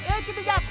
eh kita jahat dulu